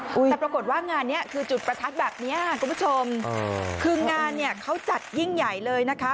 แต่ปรากฏว่างานนี้คือจุดประทัดแบบนี้คุณผู้ชมคืองานเนี่ยเขาจัดยิ่งใหญ่เลยนะคะ